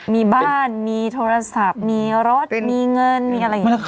มีบ้านมีโทรศัพท์มีรถมีเงินมีอะไรอย่างนี้ค่ะ